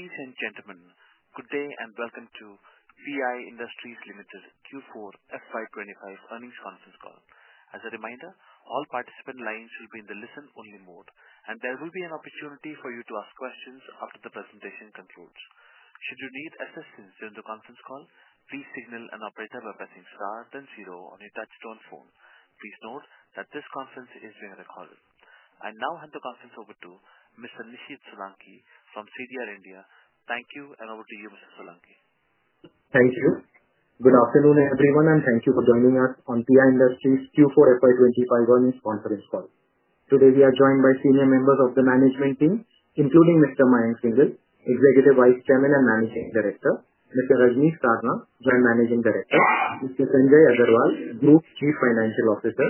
Ladies and gentlemen, good day and welcome to PI Industries Limited Q4 FY25 earnings conference call. As a reminder, all participant lines will be in the listen-only mode, and there will be an opportunity for you to ask questions after the presentation concludes. Should you need assistance during the conference call, please signal an operator by pressing star then zero on your touchstone phone. Please note that this conference is being recorded. I now hand the conference over to Mr. Nishid Solanki from CDR India. Thank you, and over to you, Mr. Solanki. Thank you. Good afternoon, everyone, and thank you for joining us on PI Industries Q4 FY2025 earnings conference call. Today, we are joined by senior members of the management team, including Mr. Mayank Singhvi, Executive Vice Chairman and Managing Director; Mr. Rajnish Sarna, Joint Managing Director; Mr. Sanjay Agarwal, Group Chief Financial Officer;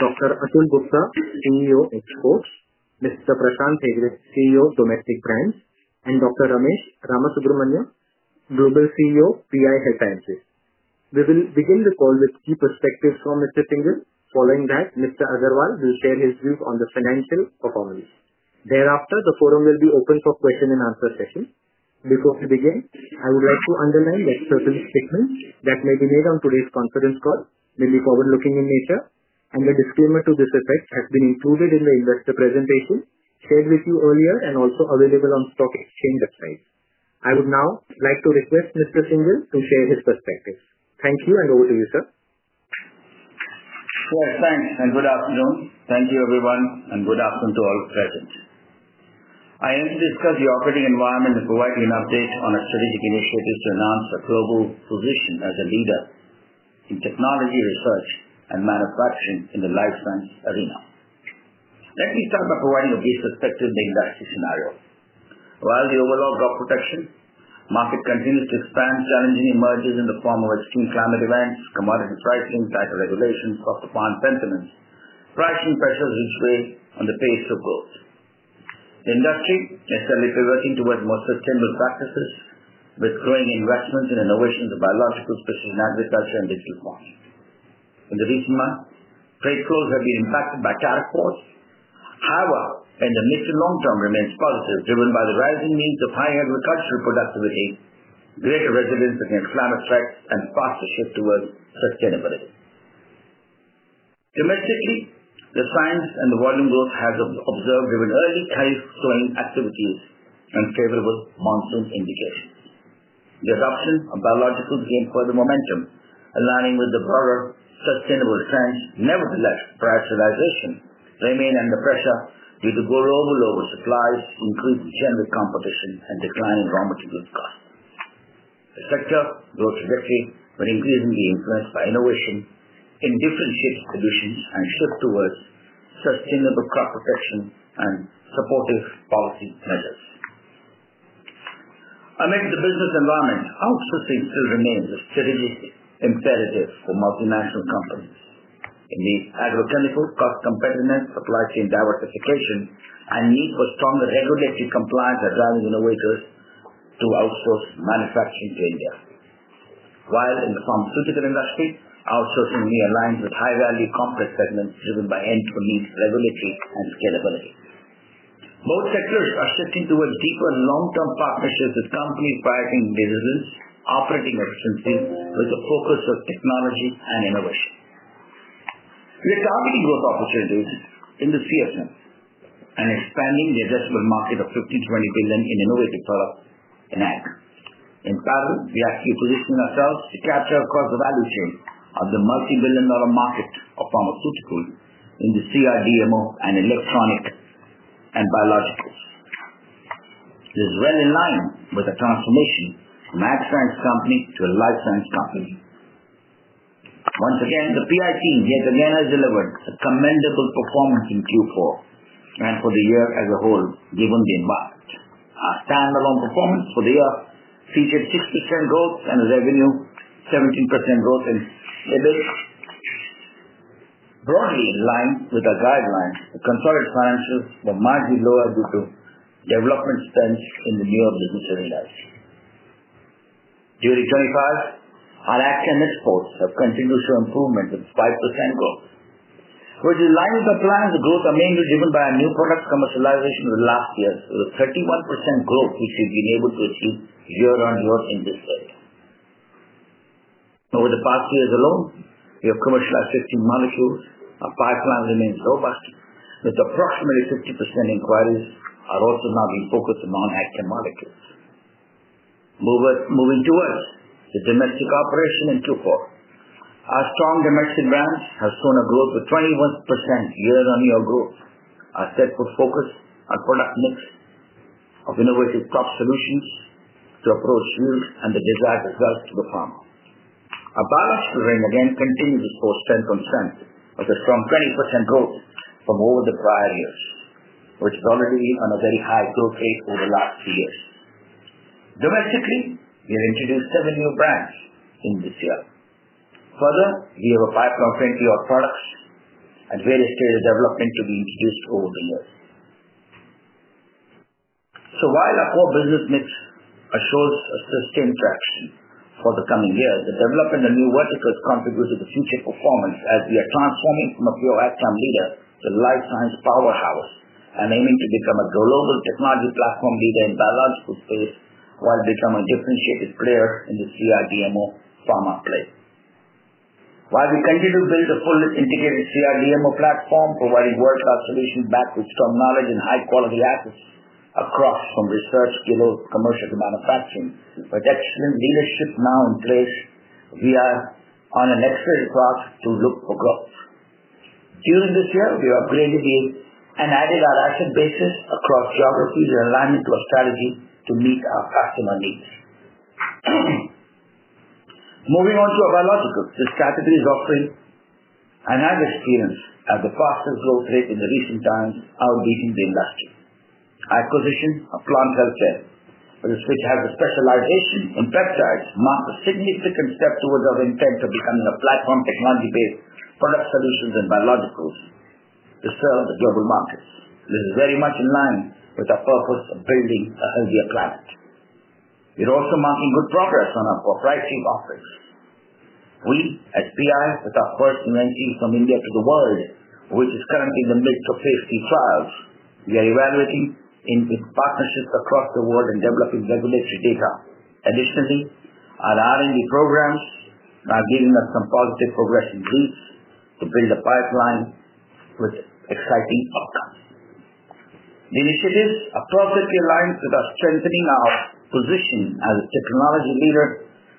Dr. Atul Gupta, CEO Exports; Mr. Prashant Hegde, CEO Domestic Brands; and Dr. Ramesh Ramasubramanian, Global CEO, PI Health Sciences. We will begin the call with key perspectives from Mr. Singhvi. Following that, Mr. Agarwal will share his views on the financial performance. Thereafter, the forum will be open for Question and Answer sessions. Before we begin, I would like to underline that certain statements that may be made on today's conference call may be forward-looking in nature, and a disclaimer to this effect has been included in the investor presentation shared with you earlier and also available on the stock exchange website. I would now like to request Mr. Singh to share his perspectives. Thank you, and over to you, sir. Yes, thanks, and good afternoon. Thank you, everyone, and good afternoon to all present. I am here to discuss the operating environment and provide an update on our strategic initiatives to enhance our global position as a leader in technology research and manufacturing in the life science arena. Let me start by providing a brief perspective on the industry scenario. While the overall crop protection market continues to expand, challenges emerge in the form of extreme climate events, commodity pricing, tighter regulations, and soft demand sentiments, pricing pressures which weigh on the pace of growth. The industry is steadily pivoting towards more sustainable practices with growing investments in innovations of biologicals, agriculture, and digital farming. In recent months, trade flows have been impacted by tariff wars. However, the mix in the long term remains positive, driven by the rising needs of higher agricultural productivity, greater resilience against climate threats, and a faster shift towards sustainability. Domestically, the science and the volume growth has observed even early tariff-sowing activities and favorable monsoon indications. The adoption of biologicals gained further momentum, aligning with the broader sustainable trends. Nevertheless, prioritization remains under pressure due to global oversupplies, increasing chain of competition, and declining raw material costs. The sector's growth trajectory will increasingly be influenced by innovation in different shapes, solutions, and shifts towards sustainable crop protection and supportive policy measures. Amid the business environment, outsourcing still remains a strategic imperative for multinational companies. In the agrochemical cost competitiveness, supply chain diversification, and need for stronger regulatory compliance are driving innovators to outsource manufacturing to India. While in the pharmaceutical industry, outsourcing may align with high-value complex segments driven by end-to-end regulatory and scalability. Both sectors are shifting towards deeper long-term partnerships with companies prioritizing resilience, operating efficiencies, with a focus on technology and innovation. We are targeting growth opportunities in the CSM and expanding the addressable market of 15 billion to 20 billion in innovative products in ag. In parallel, we are positioning ourselves to capture across the value chain of the multi-billion dollar market of pharmaceuticals in the CRDMO and electronic and biologicals. This is well in line with the transformation from an ag science company to a life science company. Once again, the PI team yet again has delivered a commendable performance in Q4 and for the year as a whole, given the environment. Our standalone performance for the year featured 6% growth in revenue, 17% growth in EBIT, broadly in line with our guidelines. The consolidated financials were markedly lower due to development spends in the newer business arenas. During 2025, our ag chem exports have continued to show improvement with 5% growth, which is in line with our plans. The growth remains driven by our new product commercialization over the last years, with a 31% growth which we've been able to achieve year-on-year in this area. Over the past years alone, we have commercialized 15 molecules. Our pipeline remains robust, with approximately 50% inquiries also now being focused on non-ag chem molecules. Moving towards the domestic operation in Q4, our strong domestic brands have shown a growth of 21% year-on-year. Our set forth focus on product mix of innovative crop solutions to approach yield and the desired results to the farmer. Our biological range again continues to support strength on strength with a strong 20% growth from over the prior years, which is already on a very high growth rate over the last two years. Domestically, we have introduced seven new brands in this year. Further, we have a pipeline of 20-odd products in various stages of development to be introduced over the years. While our core business mix assures a sustained traction for the coming years, the development of new verticals contributes to the future performance as we are transforming from a pure ag chem leader to a life science powerhouse and aiming to become a global technology platform leader in biological space while becoming a differentiated player in the CRDMO pharma play. While we continue to build a fully integrated CRDMO platform, providing world-class solutions backed with strong knowledge and high-quality assets across from research, giggle, commercial, to manufacturing. With excellent leadership now in place, we are on an excellent path to look for growth. During this year, we have upgraded and added our asset bases across geographies in alignment to our strategy to meet our customer needs. Moving on to our biologicals, this category is offering an ag experience at the fastest growth rate in recent times, outbeating the industry. Our acquisition of Plant Health Care, which has a specialization in peptides, marks a significant step towards our intent of becoming a platform technology-based product solutions and biologicals to serve the global markets. This is very much in line with our purpose of building a healthier planet. We are also marking good progress on our proprietary offerings. We, as PI, with our first inventing from India to the world, which is currently in the midst of phase three trials, we are evaluating in partnerships across the world and developing regulatory data. Additionally, our R&D programs are giving us some positive progressive leads to build a pipeline with exciting outcomes. The initiatives are perfectly aligned with us, strengthening our position as a technology leader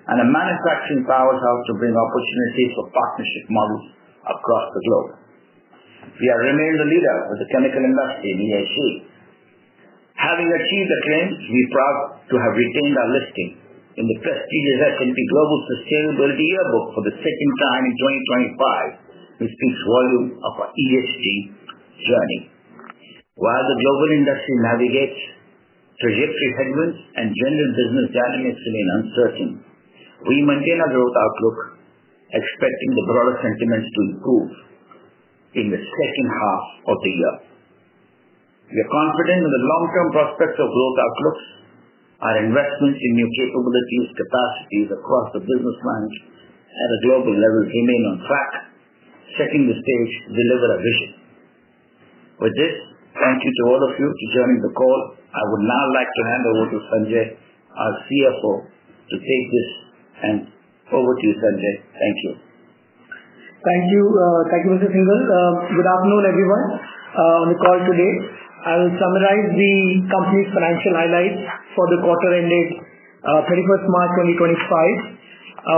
and a manufacturing powerhouse to bring opportunities for partnership models across the globe. We are remaining the leader of the chemical industry in ESG. Having achieved the claims, we are proud to have retained our listing in the prestigious S&P Global Sustainability Yearbook for the second time in 2025, which speaks volumes of our ESG journey. While the global industry navigates trajectory headwinds and general business dynamics remain uncertain, we maintain our growth outlook, expecting the broader sentiments to improve in the second half of the year. We are confident in the long-term prospects of growth outlooks. Our investments in new capabilities, capacities across the business lines at a global level remain on track, setting the stage to deliver a vision. With this, thank you to all of you for joining the call. I would now like to hand over to Sanjay, our CFO, to take this and over to you, Sanjay. Thank you. Thank you, Mr. Singh. Good afternoon, everyone, on the call today. I will summarize the company's financial highlights for the quarter ended 31st March 2025.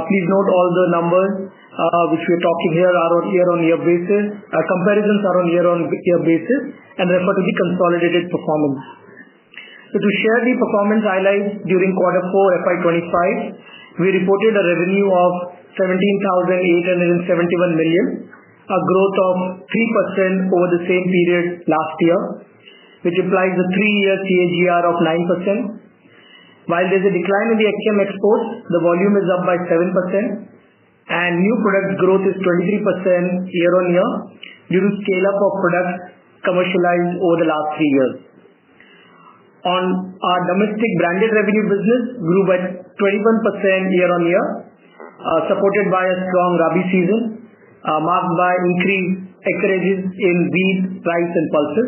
Please note all the numbers which we are talking here are on year-on-year basis. Our comparisons are on year-on-year basis and refer to the consolidated performance. To share the performance highlights during quarter four FY25, we reported a revenue of 17,871 million, a growth of 3% over the same period last year, which implies a three-year CAGR of 9%. While there is a decline in the ag chem exports, the volume is up by 7%, and new product growth is 23% year-on-year due to the scale-up of products commercialized over the last three years. Our domestic branded revenue business grew by 21% year-on-year, supported by a strong rabi season, marked by increased acreages in wheat, rice, and pulses.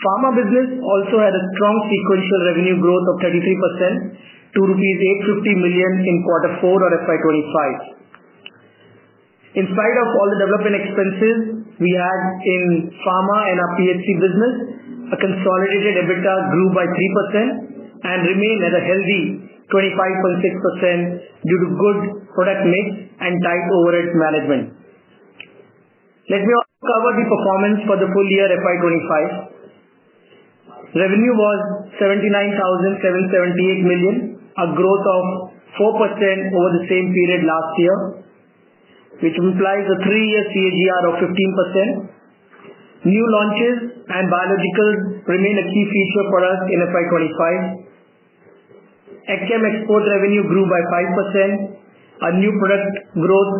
Pharma business also had a strong sequential revenue growth of 33%, 2,850 million in quarter four of FY25. In spite of all the development expenses we had in pharma and our PHC business, our consolidated EBITDA grew by 3% and remained at a healthy 25.6% due to good product mix and tight overhead management. Let me also cover the performance for the full year FY25. Revenue was 79,778 million, a growth of 4% over the same period last year, which implies a three-year CAGR of 15%. New launches and biologicals remain a key feature for us in FY25. Ag Chem export revenue grew by 5%. Our new product growth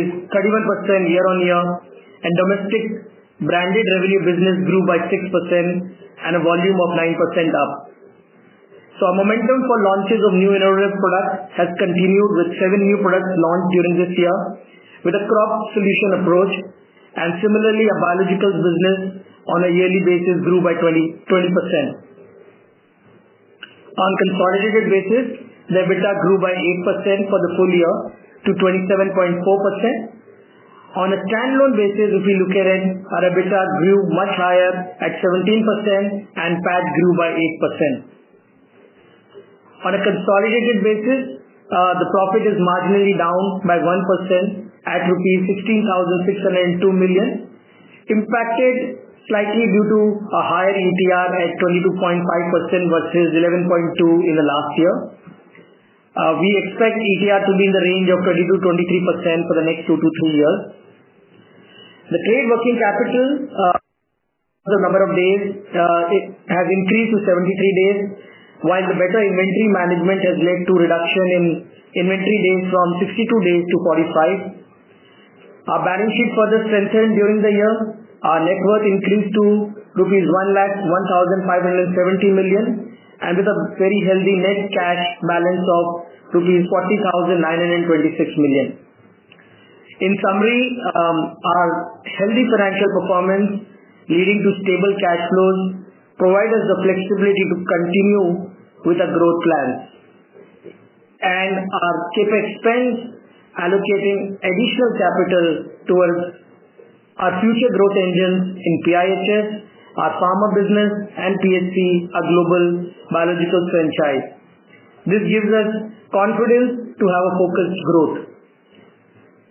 is 31% year-on-year, and domestic branded revenue business grew by 6% and a volume of 9% up. Our momentum for launches of new innovative products has continued with seven new products launched during this year with a crop solution approach. Similarly, our biologicals business on a yearly basis grew by 20%. On a consolidated basis, the EBITDA grew by 8% for the full year to 27.4%. On a standalone basis, if we look at it, our EBITDA grew much higher at 17%, and PAT grew by 8%. On a consolidated basis, the profit is marginally down by 1% at rupees 16,602 million, impacted slightly due to a higher ETR at 22.5% versus 11.2% in the last year. We expect ETR to be in the range of 22%-23% for the next two to three years. The trade working capital, the number of days, has increased to 73 days, while the better inventory management has led to a reduction in inventory days from 62 days to 45. Our balance sheet further strengthened during the year. Our net worth increased to I1,170 million, and with a very healthy net cash balance of 40,926 million. In summary, our healthy financial performance leading to stable cash flows provides us the flexibility to continue with our growth plans and our capex spends, allocating additional capital towards our future growth engines in PIHS, our pharma business, and PHC, our global biologicals franchise. This gives us confidence to have a focused growth.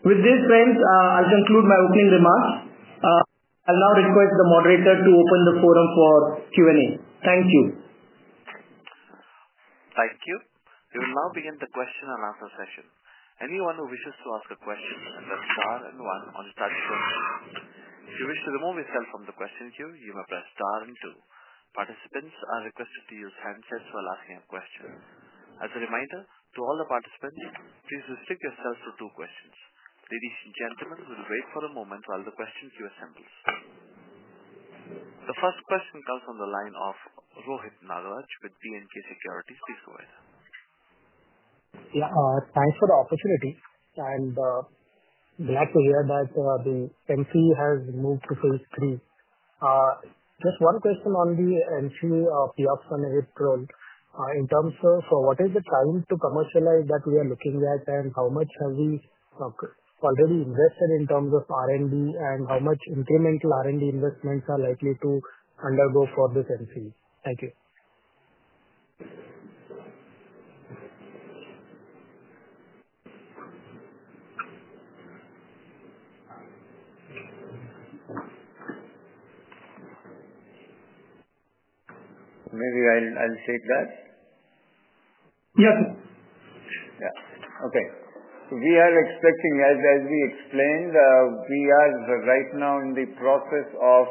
With this, friends, I'll conclude my opening remarks. I'll now request the moderator to open the forum for Q&A. Thank you. Thank you. We will now begin the Question and Answer session. Anyone who wishes to ask a question can press star and one on the touch screen. If you wish to remove yourself from the question queue, you may press star and two. Participants are requested to use handsets while asking a question. As a reminder to all the participants, please restrict yourselves to two questions. Ladies and gentlemen, we'll wait for a moment while the question queue assembles. The first question comes from the line of Rohit Nagraj with BNK Securities. Please go ahead. Yeah, thanks for the opportunity. I'm glad to hear that the MC has moved to phase III. Just one question on the MC of the upcoming April. In terms of what is the time to commercialize that we are looking at, and how much have we already invested in terms of R&D, and how much incremental R&D investments are likely to undergo for this MC? Thank you. Maybe I'll take that. Yes, sir. Yeah. Okay. We are expecting, as we explained, we are right now in the process of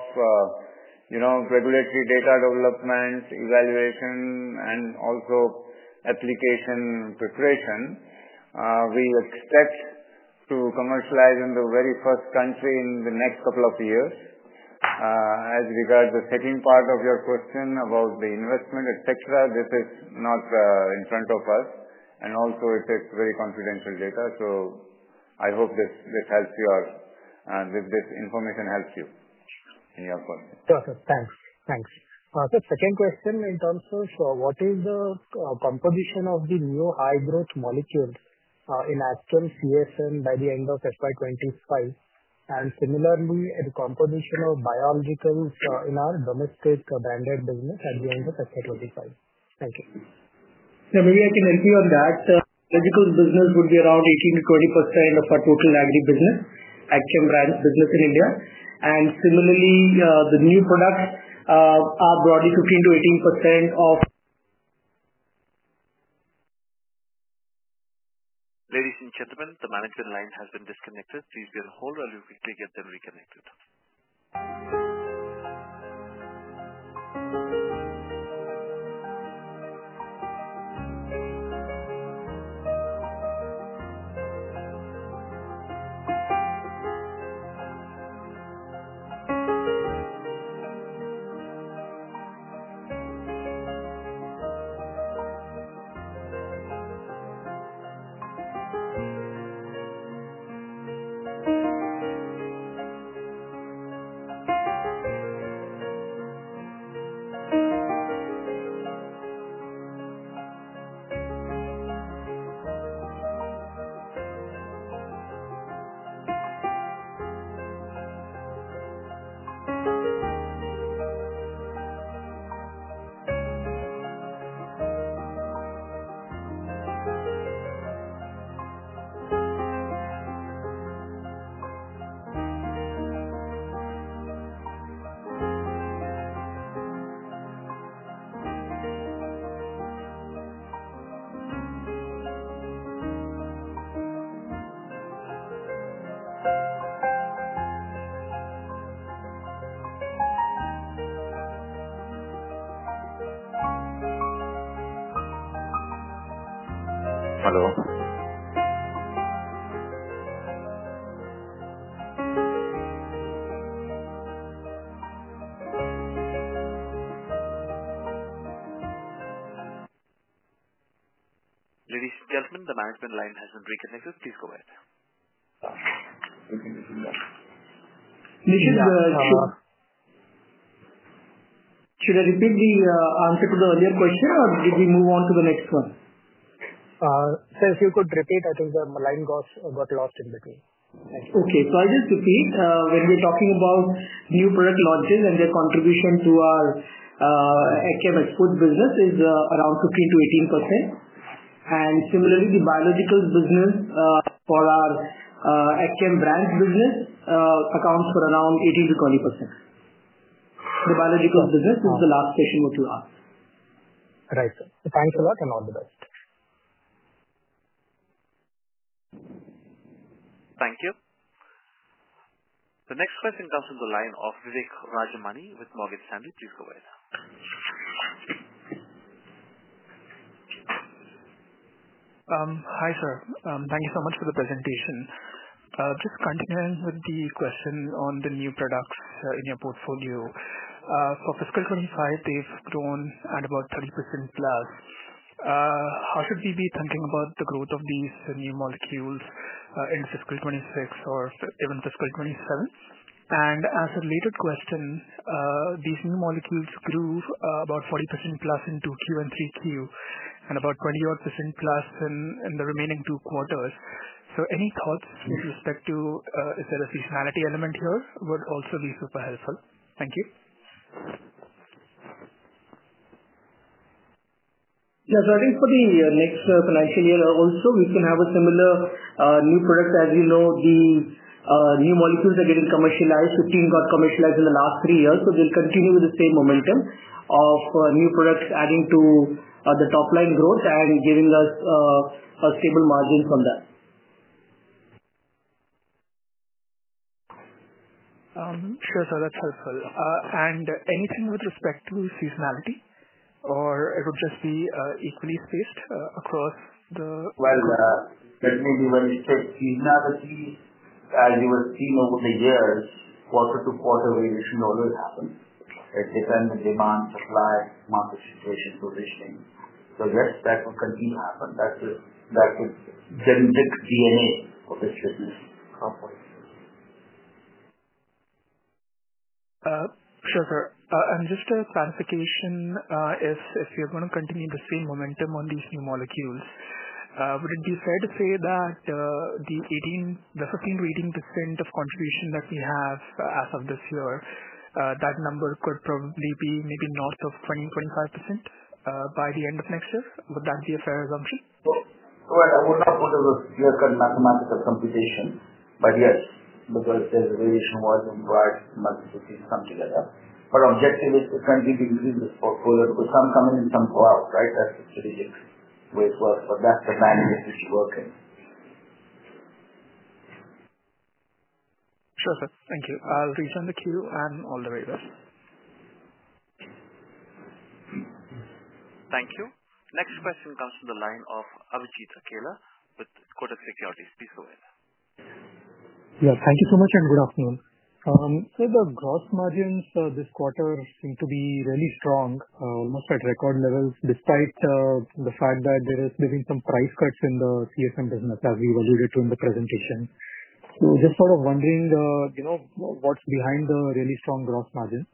regulatory data development, evaluation, and also application preparation. We expect to commercialize in the very first country in the next couple of years. As regards the second part of your question about the investment, etc., this is not in front of us. Also, it is very confidential data. I hope this helps you or this information helps you in your process. Perfect. Thanks. Thanks. Second question, in terms of what is the composition of the new high-growth molecules in actual CSM by the end of FY2025? Similarly, the composition of biologicals in our domestic branded business at the end of FY2025? Thank you. Yeah, maybe I can help you on that. Biologicals business would be around 18% to 20% of our total agri business, ag chem business in India. Similarly, the new products are broadly 15% to 18% of. Ladies and gentlemen, the management line has been disconnected. Please be on hold while we quickly get them reconnected. Hello. Ladies and gentlemen, the management line has been reconnected. Please go ahead. Nishid, should I repeat the answer to the earlier question, or did we move on to the next one? Since you could repeat, I think the line got lost in between. Okay. I'll just repeat. When we're talking about new product launches and their contribution to our ag chem export business, it is around 15 to 18%. Similarly, the biologicals business for our ag chem brand business accounts for around 18 to 20%. The biologicals business is the last question which you asked. Right. Thanks a lot and all the best. Thank you. The next question comes from the line of Vivek Rajamani with Morgan Stanley. Please go ahead. Hi, sir. Thank you so much for the presentation. Just continuing with the question on the new products in your portfolio. For fiscal 2025, they've grown at about 30% plus. How should we be thinking about the growth of these new molecules in fiscal 2026 or even fiscal 2027? As a related question, these new molecules grew about 40% plus in 2Q and 3Q and about 20% plus in the remaining two quarters. Any thoughts with respect to is there a seasonality element here would also be super helpful. Thank you. Yeah. I think for the next financial year also, we can have a similar new product. As you know, the new molecules are getting commercialized. 15 got commercialized in the last three years. They will continue with the same momentum of new products adding to the top-line growth and giving us a stable margin from that. Sure, sir. That's helpful. Anything with respect to seasonality? Or it would just be equally spaced across the. Let me be very strict. Seasonality, as you have seen over the years, quarter to quarter variation always happens. It depends on demand, supply, market situation, positioning. Yes, that will continue to happen. That is the genetic DNA of this business. Sure, sir. And just a clarification. If you're going to continue the same momentum on these new molecules, would it be fair to say that the 15% to 18% of contribution that we have as of this year, that number could probably be maybe north of 20% to 25% by the end of next year? Would that be a fair assumption? I would not put it as a mathematical computation, but yes, because there is a variation of volume and variety of multiple things come together. Our objective is to continue to increase this portfolio because some come in and some go out, right? That is the strategic way it works. That is the management which we work in. Sure, sir. Thank you. I'll return the queue all the way there. Thank you. Next question comes from the line of Abhijit Akela with Quartic Securities. Please go ahead. Yeah. Thank you so much and good afternoon. The gross margins this quarter seem to be really strong, almost at record levels, despite the fact that there has been some price cuts in the CSM business, as we've alluded to in the presentation. Just sort of wondering what's behind the really strong gross margin.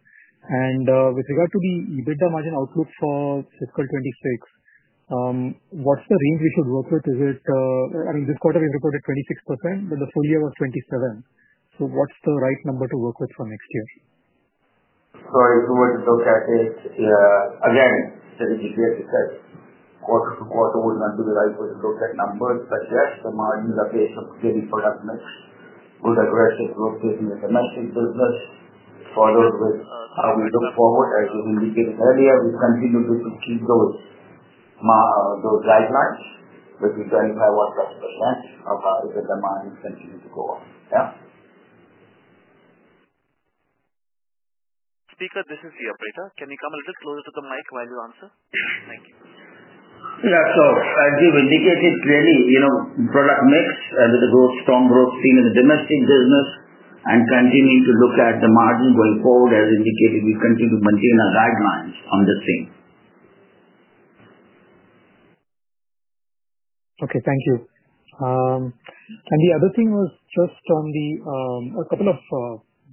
With regard to the EBITDA margin outlook for fiscal 2026, what's the range we should work with? I mean, this quarter we've reported 26%, but the full year was 27%. What's the right number to work with for next year? I would look at it again, strategically as you said, quarter to quarter would not be the right way to look at numbers. Yes, the margins are based on daily product mix, good aggressive growth taking the domestic business, followed with how we look forward. As you have indicated earlier, we continue to keep those guidelines where we identify what is the percent of our EBITDA margin continues to go up. Yeah. Speaker, this is the operator. Can you come a little closer to the mic while you answer? Thank you. Yeah. As you have indicated clearly, product mix with the strong growth seen in the domestic business and continuing to look at the margin going forward, as indicated, we continue to maintain our guidelines on this thing. Okay. Thank you. The other thing was just on a couple of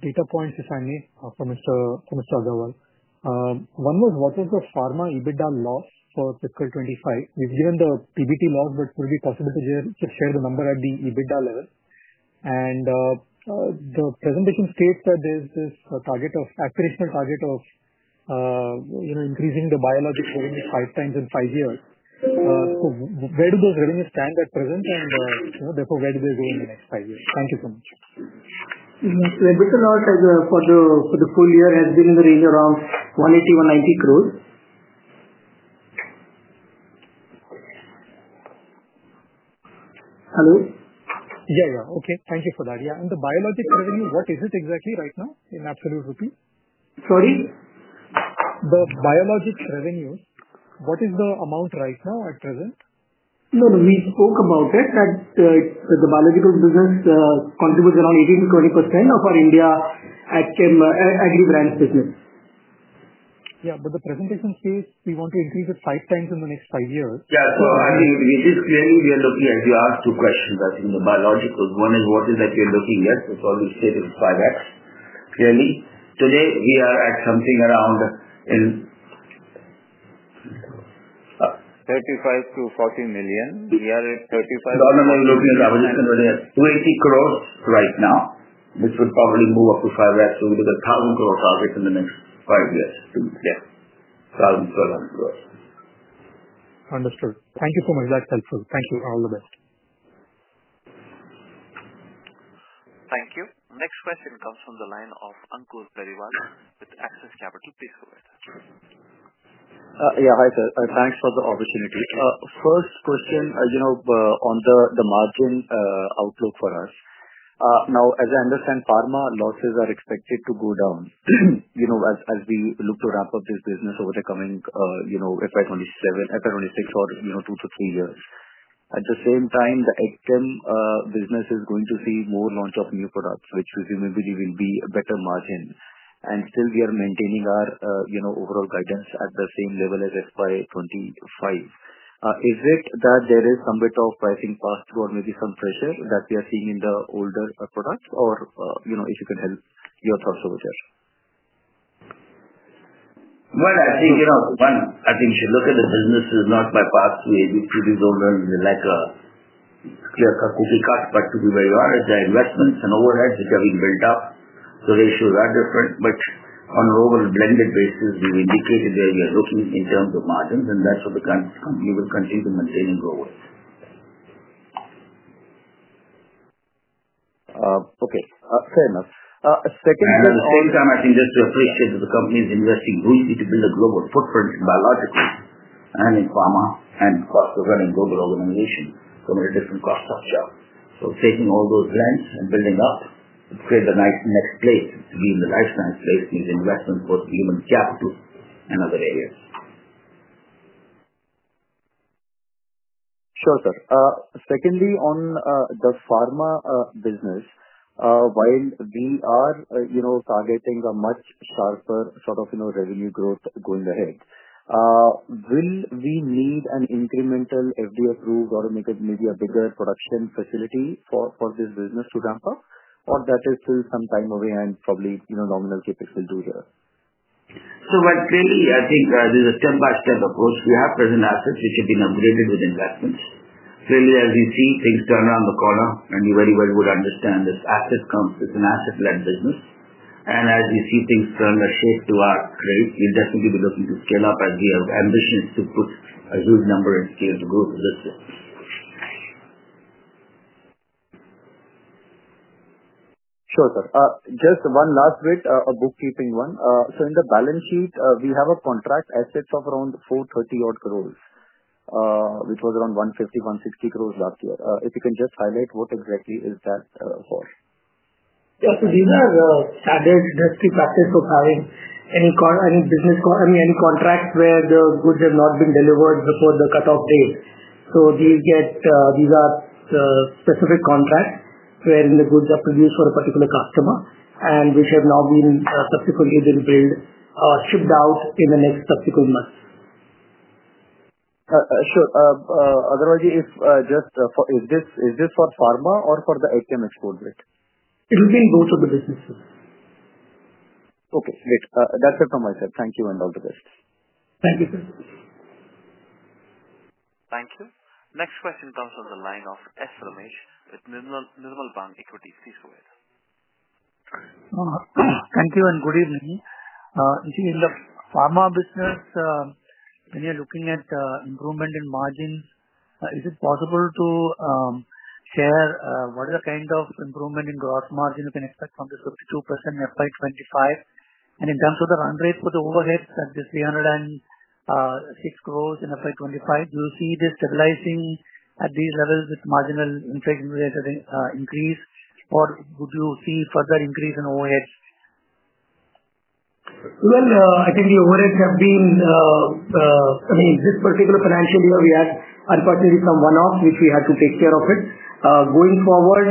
data points, if I may, from Mr. Agarwal. One was what was the Pharma EBITDA loss for fiscal 2025? We've given the PBT loss, but would it be possible to just share the number at the EBITDA level? The presentation states that there's this aspirational target of increasing the biologicals revenue five times in five years. Where do those revenues stand at present? Therefore, where do they go in the next five years? Thank you so much. Yes. The EBITDA loss for the full year has been in the range around 180 crore-190 crore. Hello? Yeah, yeah. Okay. Thank you for that. Yeah. And the biologicals revenue, what is it exactly right now in absolute rupee? Sorry? The biologicals revenue, what is the amount right now at present? No, no. We spoke about it that the biological business contributes around 18 to 20% of our India agri brand business. Yeah. The presentation states we want to increase it five times in the next five years. Yeah. I mean, this is clearly we are looking at you asked two questions, I think, in the biologicals. One is what is that we are looking at? It's always stated 5X, clearly. Today, we are at something around. 35 to 40 million. We are at 35 to 40. No, no, no. We're looking at the average revenue at 2,800,000,000 right now, which would probably move up to 5X. So we'll get a 10,000,000,000 target in the next five years. Yeah.10,000,000,000, 12,000,000,000. Understood. Thank you so much. That's helpful. Thank you. All the best. Thank you. Next question comes from the line of Ankur Periwal with Axis Capital. Please go ahead. Yeah. Hi, sir. Thanks for the opportunity. First question on the margin outlook for us. Now, as I understand, pharma losses are expected to go down as we look to wrap up this business over the coming FY 2026 or two to three years. At the same time, the ag chem business is going to see more launch of new products, which presumably will be a better margin. Still, we are maintaining our overall guidance at the same level as FY 2025. Is it that there is somewhat of pricing pass-through or maybe some pressure that we are seeing in the older products? If you can help your thoughts over there. I think you should look at the businesses not by past maybe previous owners like a cookie cut. To be very honest, their investments and overheads which have been built up, the ratios are different. On an overall blended basis, we've indicated where we are looking in terms of margins, and that's what the company will continue to maintain and grow with. Okay. Fair enough. A second question. I think just to appreciate that the company is investing briefly to build a global footprint in biologics and in pharma and cost-returning global organization from a different cost structure. Taking all those blends and building up to create a nice next place to be in the lifetime space with investment for human capital and other areas. Sure, sir. Secondly, on the pharma business, while we are targeting a much sharper sort of revenue growth going ahead, will we need an incremental FDA-approved automated media bigger production facility for this business to ramp up? Or that is still some time away and probably nominal CapEx will do here? Clearly, I think there's a step-by-step approach. We have present assets which have been upgraded with investments. Clearly, as we see things turn around the corner, and you very well would understand, this asset comes as an asset-led business. As we see things turn a shape to our credit, we'll definitely be looking to scale up as we have ambitions to put a huge number in scale to grow with this business. Sure, sir. Just one last bit, a bookkeeping one. In the balance sheet, we have a contract assets of around 4,300 million, which was around 1,500 to 1,600 million last year. If you can just highlight what exactly is that for. Yeah. These are standard industry practice of having any business, I mean, any contract where the goods have not been delivered before the cut-off date. These are specific contracts wherein the goods are produced for a particular customer and which have now been subsequently then shipped out in the next subsequent months. Sure. Otherwise, just is this for pharma or for the ag chem export rate? It will be in both of the businesses. Okay. Great. That's it from my side. Thank you and all the best. Thank you, sir. Thank you. Next question comes from the line of S. Ramesh with Nirmal Bang Equities. Please go ahead. Thank you and good evening. In the Pharma business, when you're looking at improvement in margins, is it possible to share what is the kind of improvement in gross margin you can expect from this 52% FY2025? And in terms of the run rate for the overheads at this 3.06 billion in FY2025, do you see this stabilizing at these levels with marginal inflation-related increase, or would you see further increase in overheads? I think the overheads have been, I mean, this particular financial year, we had unfortunately some one-offs which we had to take care of. Going forward,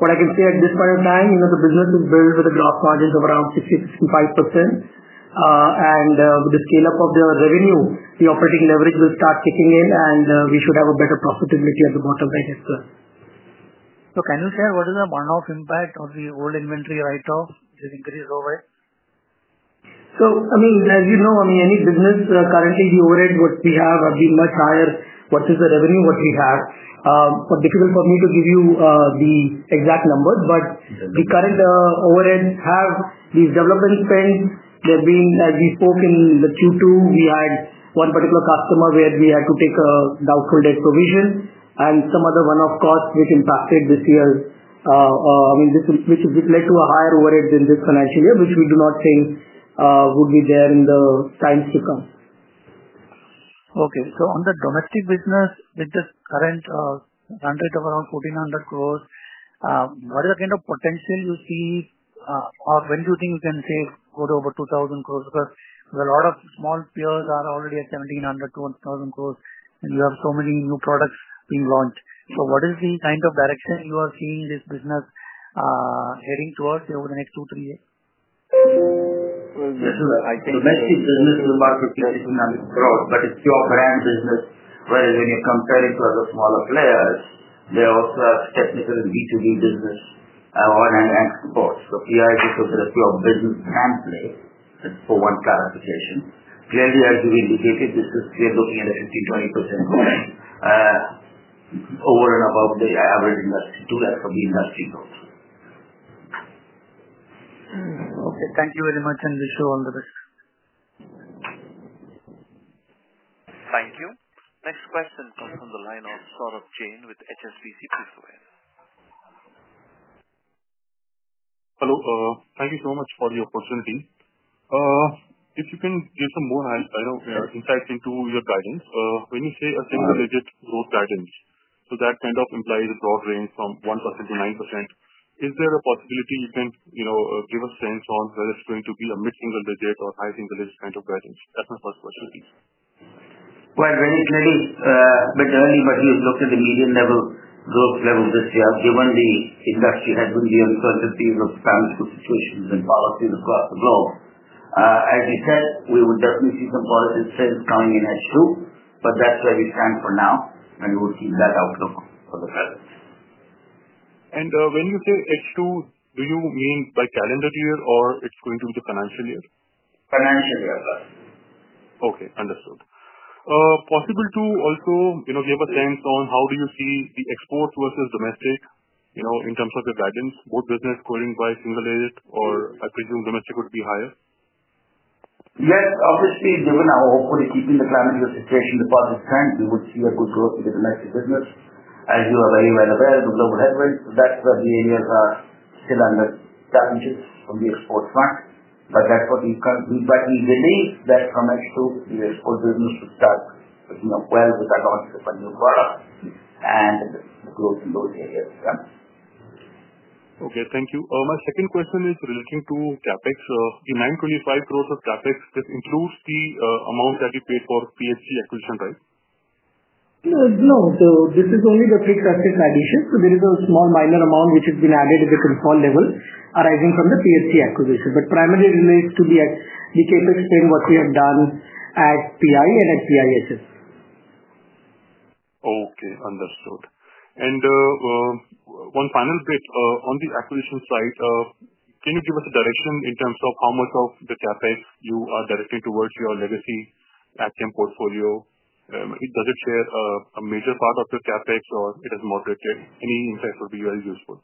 what I can say at this point in time, the business is built with a gross margin of around 60 to 65%. With the scale-up of the revenue, the operating leverage will start kicking in, and we should have a better profitability at the bottom line as well. Can you share what is the one-off impact of the old inventory write-off? Does it increase overhead? I mean, as you know, I mean, any business currently, the overheads what we have have been much higher versus the revenue what we have. Difficult for me to give you the exact numbers, but the current overheads have these development spends. As we spoke in the Q2, we had one particular customer where we had to take a doubtful debt provision and some other one-off costs which impacted this year. I mean, which has led to a higher overhead than this financial year, which we do not think would be there in the times to come. Okay. So on the domestic business with the current run rate of around 14,000 million, what is the kind of potential you see? Or when do you think you can say go to over 20,000 million? Because a lot of small peers are already at 17,000 million, 10,000 million, and you have so many new products being launched. What is the kind of direction you are seeing this business heading towards over the next two, three years? I think domestic business is about 50 to 60 crore, but it's pure brand business. Whereas when you're comparing to other smaller players, they also have technical and B2B business on and support. So PI's is a pure business brand play. That's for one clarification. Clearly, as you've indicated, this is we're looking at a 15 to 20% growth over and above the average industry too, as per the industry growth. Okay. Thank you very much, Anil Jain. All the best. Thank you. Next question comes from the line of Saurabh Jain with HSBC. Please go ahead. Hello. Thank you so much for the opportunity. If you can give some more insights into your guidance. When you say a single-digit growth guidance, so that kind of implies a broad range from 1% to 9%. Is there a possibility you can give a sense on whether it's going to be a mid-single-digit or high-single-digit kind of guidance? That's my first question, please. Very clearly, a bit early, but we have looked at the median level growth level this year. Given the industry has been dealing with certain fees of financial situations and policies across the globe. As you said, we would definitely see some policy spins coming in H2, but that is where we stand for now, and we will keep that outlook for the present. When you say H2, do you mean by calendar year or it's going to be the financial year? Financial year, sir. Okay. Understood. Possible to also give a sense on how do you see the export versus domestic in terms of your guidance? Both business growing by single digit or I presume domestic would be higher? Yes. Obviously, given our hopefully keeping the climate situation to positive trend, we would see a good growth in the domestic business. As you are very well aware, the global headwinds, that's where the areas are still under challenges from the export front. That is what we believe that from H2, the export business would start well with the launch of a new product and the growth in those areas. Okay. Thank you. My second question is relating to CapEx. The 9.25 billion of CapEx, this includes the amount that you paid for PHC acquisition, right? No. So this is only the pre-CapEx addition. There is a small minor amount which has been added at the consol level arising from the PHC acquisition, but primarily relates to the CapEx spend what we have done at PI and at PISS. Okay. Understood. One final bit on the acquisition side, can you give us a direction in terms of how much of the CapEx you are directing towards your legacy Ag Chem portfolio? Does it share a major part of your CapEx or is it moderate? Any insights would be very useful.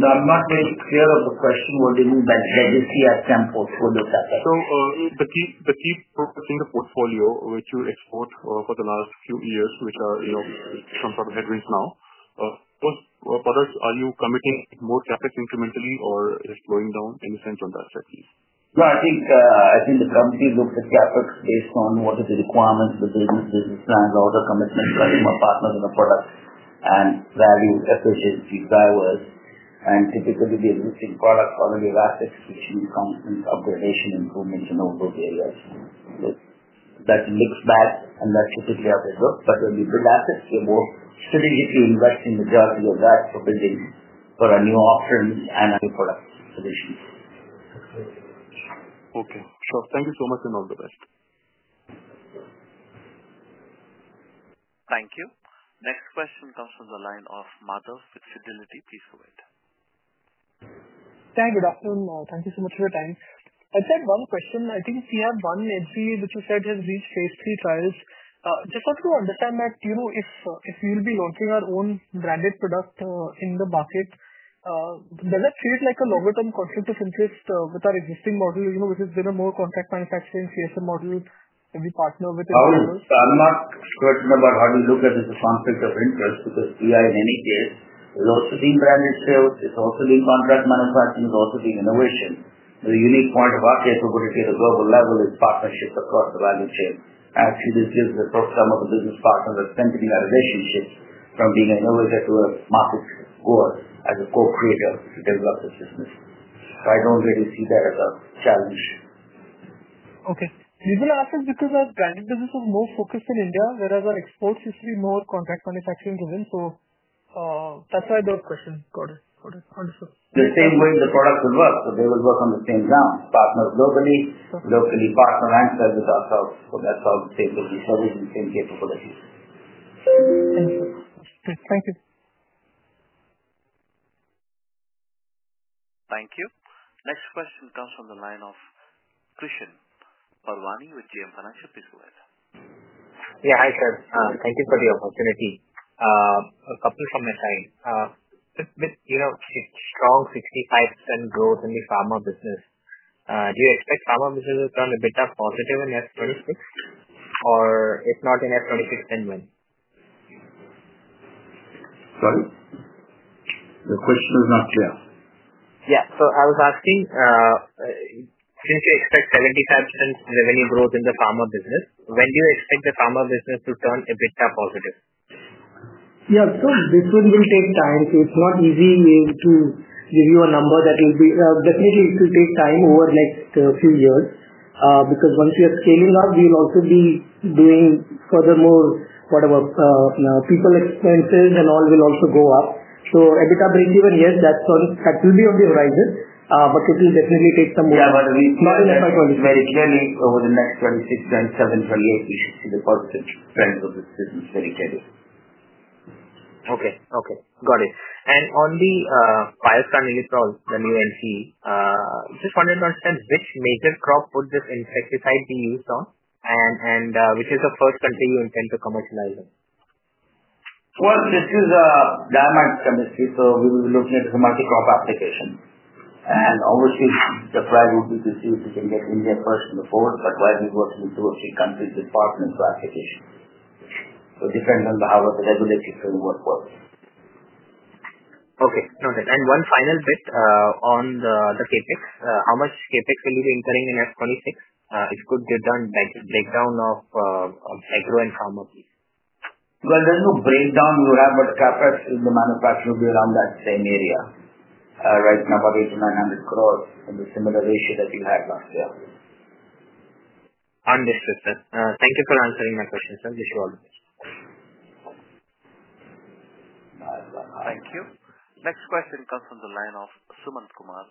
I'm not very clear of the question. What do you mean by legacy Ag Chem portfolio CapEx? The key products in the portfolio which you export for the last few years, which are some sort of headwinds now, those products, are you committing more Capex incrementally or just going down any sense on that, sir? No. I think the company looks at CapEx based on what is the requirements, the business plans, or other commitments by some of our partners on the product and value efficiency drivers. Typically, the existing products are the assets which need constant upgradation and improvements in all those areas. That looks back, and that is typically how they look. When we build assets, we are more strategically investing the majority of that for building for our new offerings and new product solutions. Okay. Sure. Thank you so much and all the best. Thank you. Next question comes from the line of Madhav with Fidelity. Please go ahead. Thank you, Dustin. Thank you so much for your time. I just had one question. I think we have one entry which you said has reached phase three trials. Just wanted to understand that if we will be launching our own branded product in the market, does that create a longer-term conflict of interest with our existing model which has been a more contract manufacturing CSM model that we partner with? I'm not certain about how do you look at it, the conflict of interest, because PI in any case has also been branded sales. It's also been contract manufacturing. It's also been innovation. The unique point of our capability at a global level is partnerships across the value chain. Actually, this gives the focus on what the business partners are spending in our relationships from being an innovator to a market score as a co-creator to develop this business. I don't really see that as a challenge. Okay. We will ask this because our branded business is more focused in India, whereas our exports is to be more contract manufacturing driven. That is why the question. Got it. Got it. Understood. The same way the products will work. They will work on the same ground. Partners globally, locally, partner and service ourselves. That is how the same business levels and same capabilities. Thank you. Thank you. Thank you. Next question comes from the line of Krishan Parvani with GM Financial. Please go ahead. Yeah. Hi, sir. Thank you for the opportunity. A couple from my side. With strong 65% growth in the Pharma business, do you expect Pharma businesses to run a bit of positive in F2026? Or if not in F2026, then when? Sorry? The question is not clear. Yeah. I was asking, since you expect 75% revenue growth in the pharma business, when do you expect the pharma business to turn a bit positive? Yeah. This one will take time. It is not easy to give you a number. It will definitely take time over the next few years because once we are scaling up, we will also be doing furthermore, whatever people expenses and all will also go up. A bit of breakeven, yes, that will be on the horizon, but it will definitely take some more. Yeah. We expect very clearly over the next 2026, 2027, 2028, we should see the positive trends of this business very clearly. Okay. Okay. Got it. On the Payalkanilithol, the new NC, just wanted to understand which major crop would this insecticide be used on and which is the first country you intend to commercialize in? This is a diamond chemistry, so we will be looking at the multi-crop application. Obviously, the prize would be to see if we can get India first and then forward, but while we work in two or three countries with partners for application. Depending on how the regulatory framework works. Okay. Noted. One final bit on the CapEx. How much CapEx will you be incurring in FY 2026? If you could give the breakdown of agro and pharma, please. There is no breakdown you have, but CapEx in the manufacturing will be around that same area right now, about 8-900 crore in the similar ratio that you had last year. Understood, sir. Thank you for answering my question, sir. Wish you all the best. Thank you. Next question comes from the line of Sumant Kumar,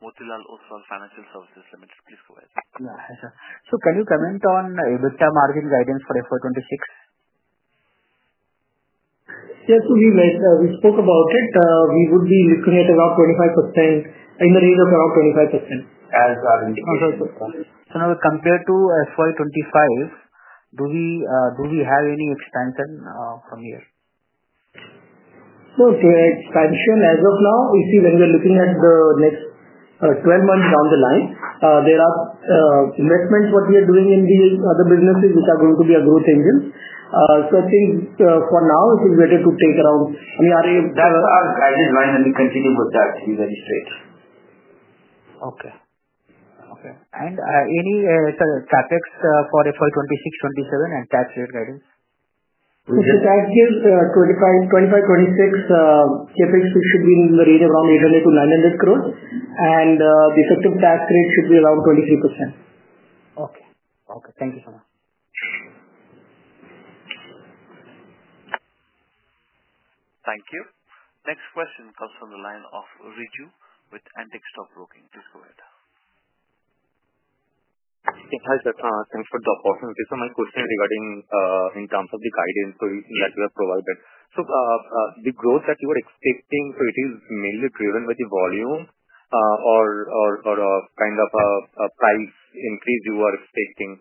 Motilal Oswal Financial Services Limited. Please go ahead. Yeah. Hi, sir. So can you comment on EBITDA margin guidance for FY2026? Yes. We spoke about it. We would be looking at around 25% in the range of around 25%. As our indicators. Okay. So now compared to FY25, do we have any expansion from here? Expansion as of now, we see when we're looking at the next 12 months down the line, there are investments what we are doing in the other businesses which are going to be our growth engines. I think for now, it is better to take around, I mean, our... That's our guided line, and we continue with that very straight. Okay. Okay. Any CapEx for FY 2026, 2027, and tax rate guidance? With the tax year 2025-2026, CapEx should be in the range of around 8,000 to 9,000 million, and the effective tax rate should be around 23%. Okay. Okay. Thank you so much. Thank you. Next question comes from the line of Riju with Antique Stock Broking. Please go ahead. Hi, sir. Thanks for the opportunity. My question regarding in terms of the guidance that you have provided. The growth that you are expecting, is it mainly driven with the volume or kind of a price increase you are expecting?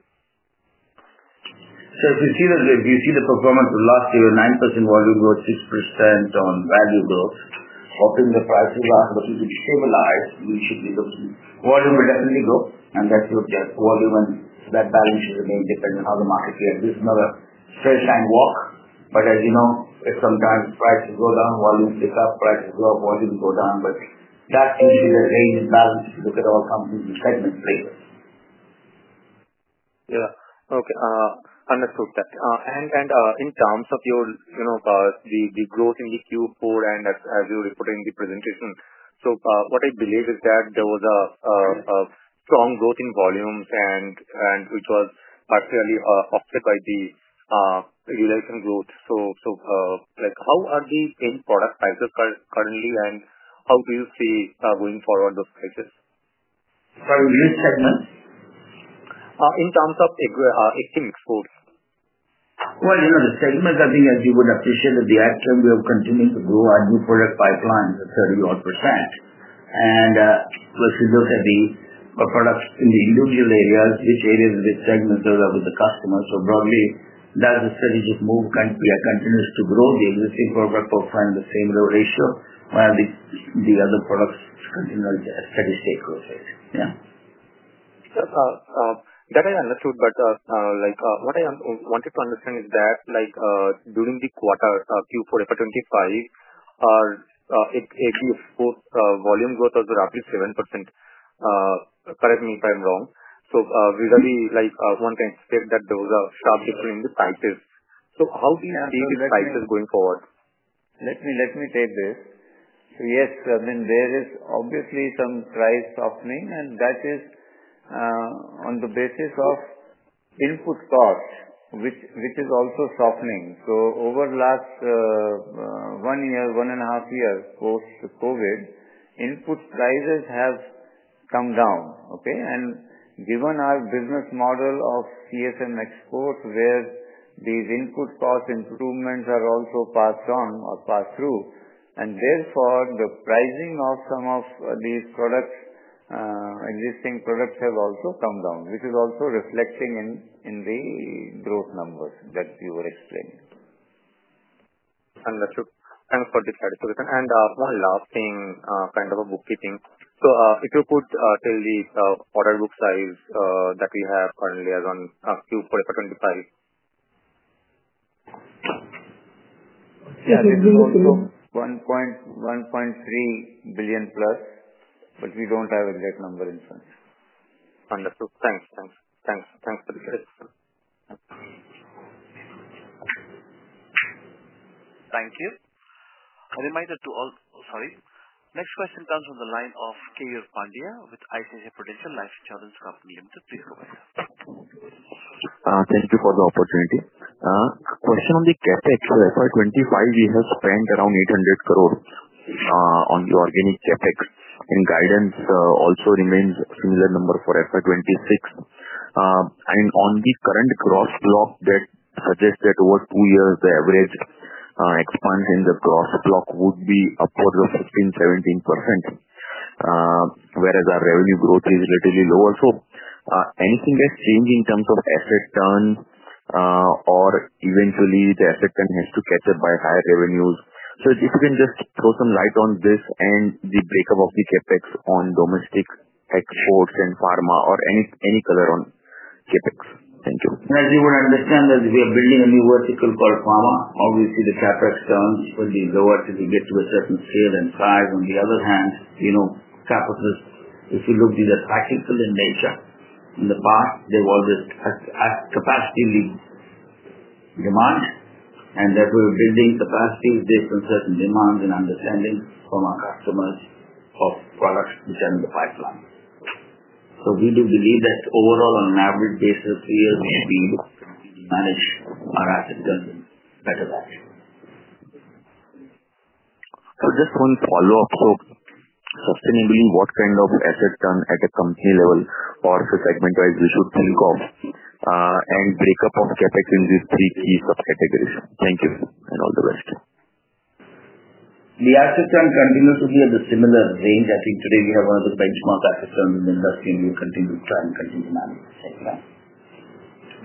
If we see the performance of last year, 9% volume growth, 6% on value growth, hoping the prices are able to stabilize, we should be looking. Volume will definitely grow, and that volume and that balance should remain depending on how the market reacts. This is not a straight line walk, but as you know, sometimes prices go down, volumes pick up, prices go up, volumes go down. That seems to be the range of balance if you look at all companies and segment players. Yeah. Okay. Understood that. In terms of the growth in the Q4 and as you were reporting in the presentation, what I believe is that there was a strong growth in volumes which was partially offset by the regulation growth. How are the end product prices currently, and how do you see going forward those prices? Sorry, which segment? In terms of extreme exports. The segment, I think, as you would appreciate, is the ag chem. We are continuing to grow our new product pipeline 30-odd %. If we look at the products in the individual areas, which areas, which segments are with the customers. Broadly, that's a strategic move. We are continuing to grow the existing product profile in the same ratio, while the other products continue at steady state growth rate. Yeah. That I understood, but what I wanted to understand is that during the quarter Q4, FY2025, our AP export volume growth was roughly 7%. Correct me if I'm wrong. One can expect that there was a sharp dip in the prices. How do you see these prices going forward? Let me take this. Yes. I mean, there is obviously some price softening, and that is on the basis of input cost, which is also softening. Over the last one year, one and a half years post-COVID, input prices have come down, okay? Given our business model of CSM export, where these input cost improvements are also passed on or passed through, the pricing of some of these existing products has also come down, which is also reflecting in the growth numbers that you were explaining. Understood. Thanks for this clarification. One last thing, kind of a bookkeeping. If you could tell the order book size that we have currently as on Q4, FY2025. Yeah. This is also 1.3 billion plus, but we do not have a direct number in front. Understood. Thanks for the clarification. Thank you. I reminded to all, sorry. Next question comes from the line of KR Pandya with ICICI Prudential Life Insurance Company Limited. Please go ahead. Thank you for the opportunity. Question on the CapEx. For FY 2025, we have spent around 8,000,000,000 on the organic CapEx, and guidance also remains similar number for FY 2026. On the current gross block, that suggests that over two years, the average expense in the gross block would be upwards of 15 to 17%, whereas our revenue growth is relatively lower. Is anything changing in terms of asset turn, or eventually the asset turn has to catch up by higher revenues? If you can just throw some light on this and the breakup of the CapEx on domestic, exports, and Pharma or any color on CapEx. Thank you. As you would understand, as we are building a new vertical called Pharma, obviously the CapEx turns when these lowers if you get to a certain scale and size. On the other hand, capitalists, if you look these are practical in nature. In the past, they've always had capacity-lead demand, and that way we're building capacity based on certain demands and understanding from our customers of products which are in the pipeline. We do believe that overall, on an average basis, we are going to be able to manage our asset turn better that. Just one follow-up. So sustainably, what kind of asset turn at a company level or segment-wise we should think of and breakup of CapEx in these three key subcategories? Thank you. All the best. The asset turn continues to be at the similar range. I think today we have one of the benchmark asset turns in the industry, and we will continue to try and continue to manage the same ground.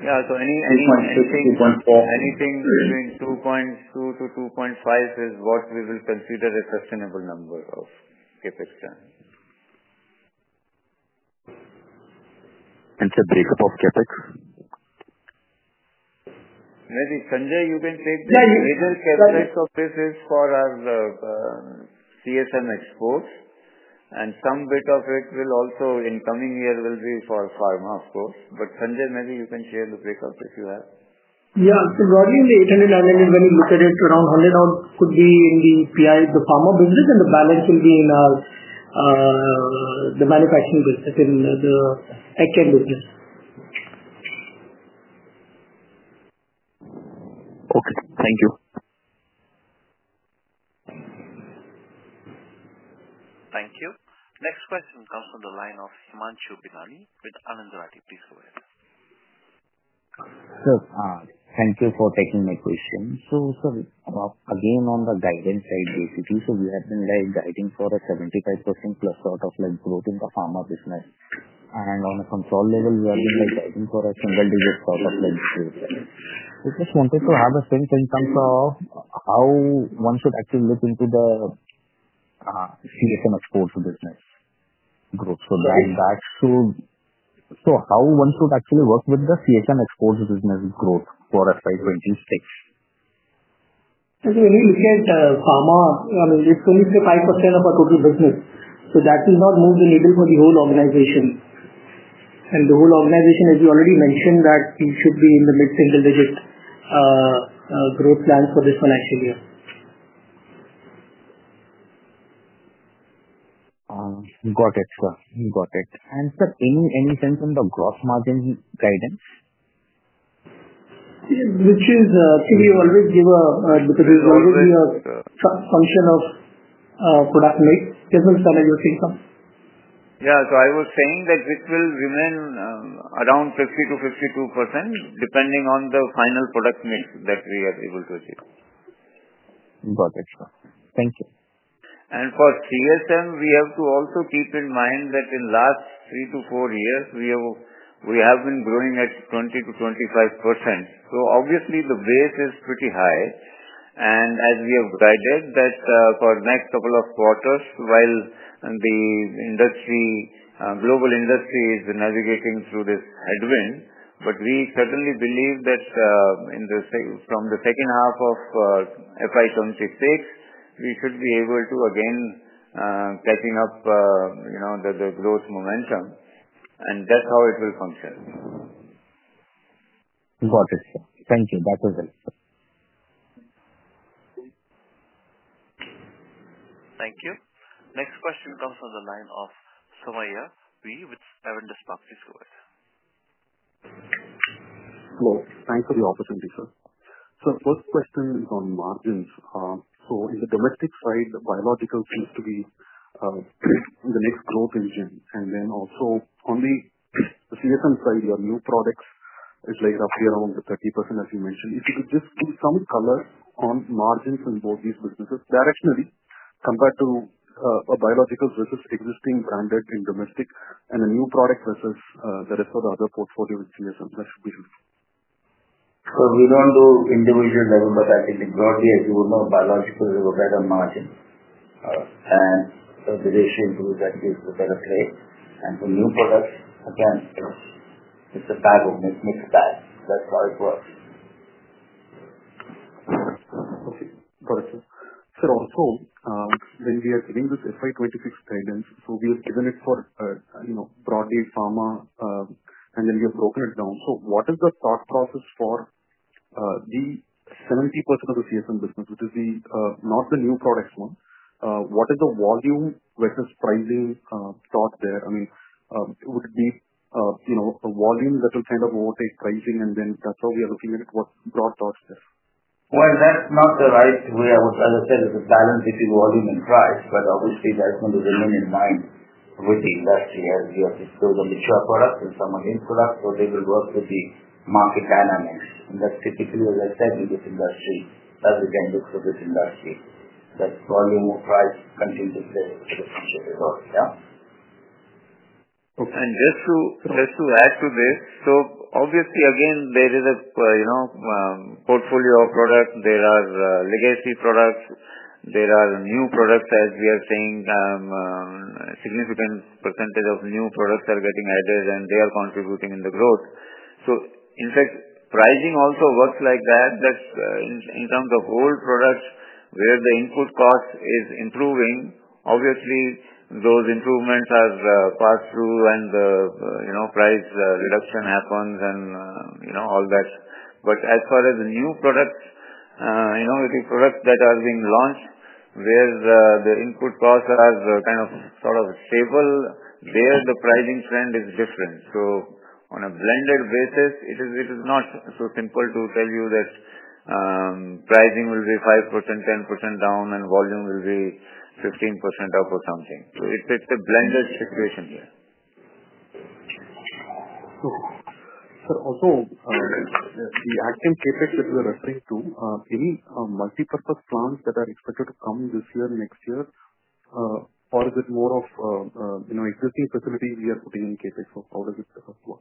Yeah. So anything between 2.2 to 2.5 is what we will consider a sustainable number of Capex turn. The breakup of capex? Maybe Sanjay, you can take the major CapEx of this is for our CSM exports, and some bit of it will also in coming year will be for Pharma, of course. But Sanjay, maybe you can share the breakup if you have. Yeah. Broadly, in the 800 to 900, when you look at it, around 100 out could be in the PI, the pharma business, and the balance will be in the manufacturing business, in the ag chem business. Okay. Thank you. Thank you. Next question comes from the line of Himanshu Binani with Anand Rathi. Please go ahead. Sir, thank you for taking my question. Again, on the guidance side, basically, we have been guiding for a 75% plus sort of growth in the pharma business. On a control level, we have been guiding for a single-digit sort of growth. I just wanted to have a sense in terms of how one should actually look into the CSM exports business growth. How should one actually work with the CSM exports business growth for FY2026? When you look at Pharma, I mean, it's only 5% of our total business. So that will not move the needle for the whole organization. And the whole organization, as you already mentioned, that should be in the mid-single-digit growth plan for this financial year. Got it, sir. Got it. Sir, any sense on the gross margin guidance? Which is actually always given because it's always a function of product mix. Can you explain what you're thinking? Yeah. I was saying that it will remain around 50 to 52% depending on the final product mix that we are able to achieve. Got it, sir. Thank you. For CSM, we have to also keep in mind that in the last three to four years, we have been growing at 20 to 25%. Obviously, the base is pretty high. As we have guided, for the next couple of quarters, while the global industry is navigating through this headwind, we certainly believe that from the second half of FY2026, we should be able to again catch up the growth momentum. That is how it will function. Got it, sir. Thank you. That was helpful. Thank you. Next question comes from the line of Saumya Anand with Anand & Associates. Please go ahead. Hello. Thanks for the opportunity, sir. First question is on margins. In the domestic side, biological seems to be the next growth engine. Also, on the CSM side, your new products is laid up here around the 30%, as you mentioned. If you could just put some color on margins in both these businesses directionally compared to a biological versus existing branded in domestic and a new product versus the rest of the other portfolio in CSM, that should be helpful. We do not do individual level, but I think broadly, as you would know, biological is a better margin. The ratio improves, I think, is a better play. For new products, again, it is a mixed bag. That is how it works. Okay. Got it, sir. Sir, also when we are giving this FY2026 guidance, we have given it for broadly pharma, and then we have broken it down. What is the thought process for the 70% of the CSM business, which is not the new products one? What is the volume versus pricing thought there? I mean, would it be a volume that will kind of overtake pricing, and then that is how we are looking at it? What broad thoughts there? That is not the right way. As I said, it is a balance between volume and price, but obviously, that is going to remain in mind with the industry as we have disclosed the mature products and some of the end products, or they will work with the market dynamics. That is typically, as I said, with this industry, as we can look for this industry, that volume or price continues to the function it works. Yeah. Just to add to this, obviously, again, there is a portfolio of products. There are legacy products. There are new products, as we are seeing. Significant percentage of new products are getting added, and they are contributing in the growth. In fact, pricing also works like that. In terms of old products, where the input cost is improving, obviously, those improvements are passed through, and the price reduction happens and all that. As far as the new products, the products that are being launched, where the input cost has kind of sort of stable, there the pricing trend is different. On a blended basis, it is not so simple to tell you that pricing will be 5%-10% down, and volume will be 15% up or something. It is a blended situation here. Sir, also the Ag Chem CapEx that we are referring to, any multipurpose plants that are expected to come this year, next year, or is it more of existing facilities we are putting in CapEx? How does it work?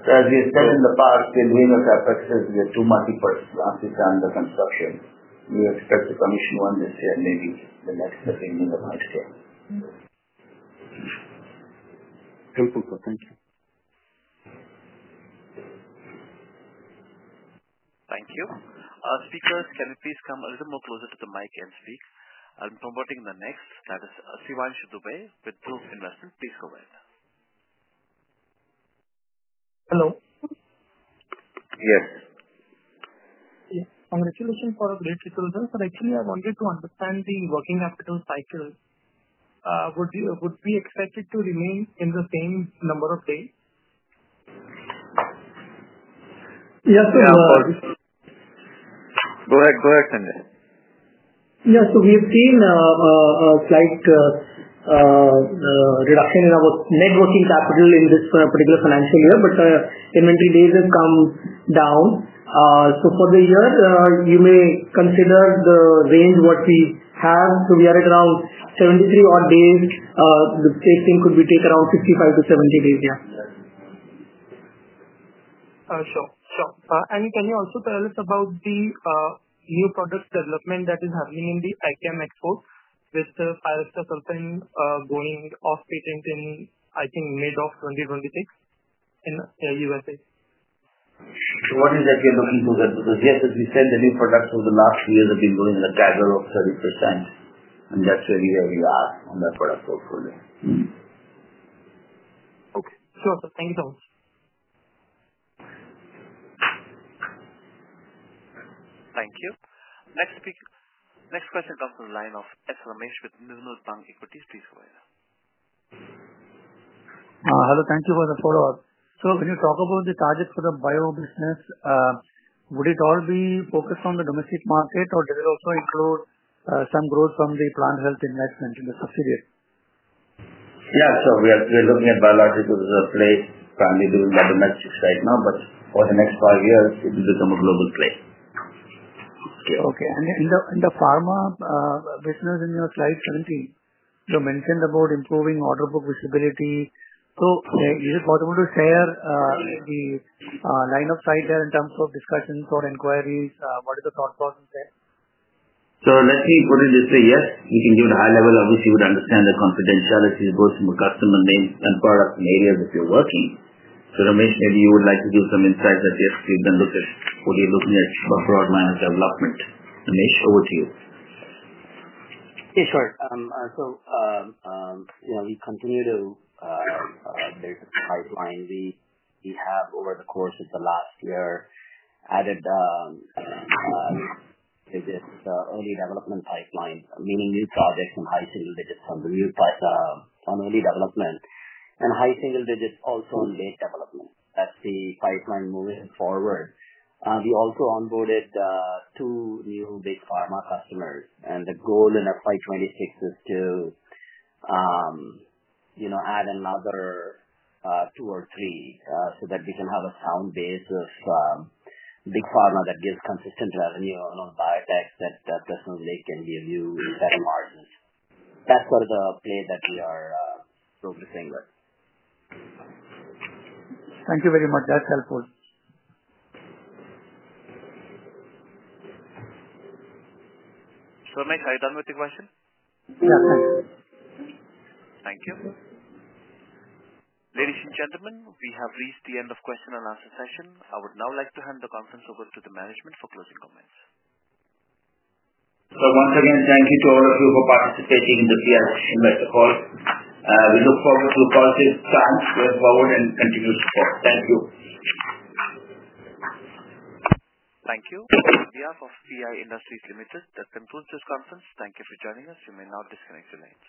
As we said in the past, we are doing our Capex as we are doing multipurpose plants and the construction. We expect to commission one this year, maybe the next setting in the next year. Simple, sir. Thank you. Thank you. Speakers, can you please come a little more closer to the mic and speak? I'm converting the next. That is Shivansh Dubey with Dhruv Investment. Please go ahead. Hello. Yes. Congratulations for a great results. Actually, I wanted to understand the working capital cycle. Would we expect it to remain in the same number of days? Yeah, sir. Go ahead. Go ahead, Sanjay. Yeah. We have seen a slight reduction in our net working capital in this particular financial year, but inventory days have come down. For the year, you may consider the range we have. We are at around 73 odd days. The same thing could be taken around 55 to 70 days. Yeah. Sure. Sure. Can you also tell us about the new product development that is happening in the ag chem export with the Pyriproxyfen going off patent in, I think, mid of 2026 in USA? What is that you're looking to? Yes, as we said, the new products over the last two years have been growing at a CAGR of 30%. And that's really where we are on that product portfolio. Okay. Sure. Thank you so much. Thank you. Next question comes from the line of S. Ramesh with Nirmal Bang Equities. Please go ahead. Hello. Thank you for the follow-up. Sir, when you talk about the target for the bio business, would it all be focused on the domestic market, or does it also include some growth from the Plant Health Care and the subsidiary Yeah. We are looking at biological as a place, primarily doing that domestics right now, but for the next five years, it will become a global play. Okay. Okay. In the pharma business, in your slide 17, you mentioned about improving order book visibility. Is it possible to share the line of sight there in terms of discussions or inquiries? What is the thought process there? Let me put it this way. Yes, we can give it at a high level. Obviously, we understand the confidentiality that goes with the customer name and product and areas that you are working in. Ramesh, maybe you would like to give some insights on this. You can look at what you are looking at about the broad line of development. Ramesh, over to you. Yeah. Sure. We continue to build this pipeline. We have, over the course of the last year, added digits early development pipeline, meaning new projects and high single digits on the new development and high single digits also on late development. That is the pipeline moving forward. We also onboarded two new big pharma customers. The goal in FY2026 is to add another two or three so that we can have a sound base of big pharma that gives consistent revenue on biotechs that personally can give you better margins. That is sort of the play that we are focusing with. Thank you very much. That's helpful. Ramesh, are you done with the question? Yeah. Thanks. Thank you. Ladies and gentlemen, we have reached the end of the question and answer session. I would now like to hand the conference over to the management for closing comments. Once again, thank you to all of you for participating in the PI Investor call. We look forward to positive plans going forward and continued support. Thank you. Thank you. On behalf of PI Industries Limited, that concludes this conference. Thank you for joining us. You may now disconnect your lines.